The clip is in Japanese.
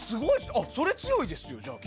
それ強いですよじゃあ。